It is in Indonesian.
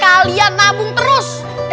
kalian nabung terus